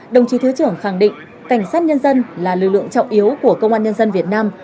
đồng chí thứ trưởng khẳng định cảnh sát nhân dân là lực lượng trọng yếu của công an nhân dân việt nam